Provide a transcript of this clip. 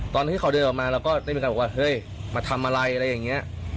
ตอนที่เขาเดินออกมาเราก็ได้มีการบอกว่าเฮ้ยมาทำอะไรอะไรอย่างนี้